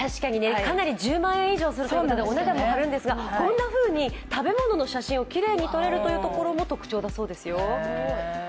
１０万円以上するということでお値段も張るんですが、こんなふうに食べ物の写真をきれいに撮れるってことも特徴のようですよ。